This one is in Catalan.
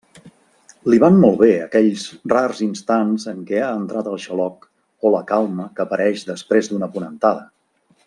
Li van molt bé aquells rars instants en què ha entrat el xaloc o la calma que apareix després d'una ponentada.